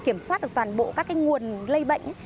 kiểm soát được toàn bộ các nguồn lây bệnh